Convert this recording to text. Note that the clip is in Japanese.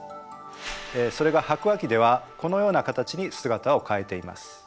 それが白亜紀ではこのような形に姿を変えています。